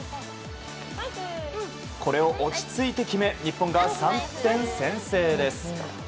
これを落ち着いて決め日本が３点先制です。